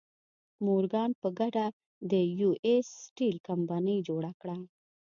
مورګان په ګډه د یو ایس سټیل کمپنۍ جوړه کړه.